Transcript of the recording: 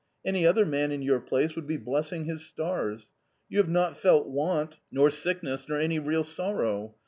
Any other man in your place would be blessing his stars. You have not felt want nor sickness nor any real sorrow.